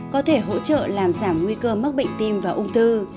có thể hỗ trợ làm giảm nguy cơ mắc bệnh tim và ung thư